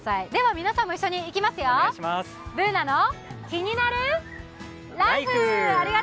皆さんも一緒にいきますよ、「ＢｏｏｎａのキニナルＬＩＦＥ」。